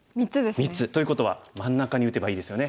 ３つということは真ん中に打てばいいですよね。